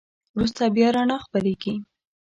وروسته بیا رڼا خپرېږي.